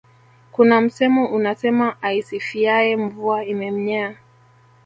kuna msemo unasema aisifiyae Mvua imemnyea